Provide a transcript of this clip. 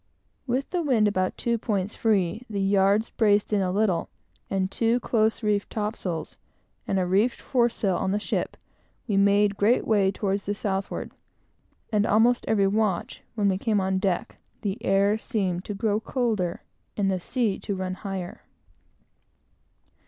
With the wind about two points free, the yards braced in a little, and two close reefed topsails and a reefed foresail on the ship, we made great way toward the southward and, almost every watch, when we came on deck, the air seemed to grow colder, and the sea to run higher.